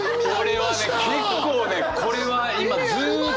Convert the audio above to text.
これはね結構ねこれは今ずっと！